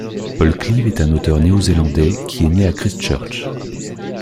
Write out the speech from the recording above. Paul Cleave est un auteur néo-zélandais qui est né à Christchurch.